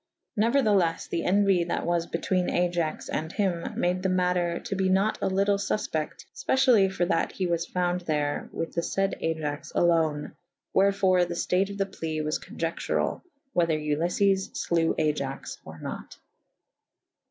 Neuer theles the enuye that was betwene Aiax and hym: made the mater to be nat a lytle' fufpecte / fpecyally for that he was fouwde there with the fayd Aiax alone / wherefore the ftate of the plee was cowiectural / whether Uliffes flewe Aiax or nat.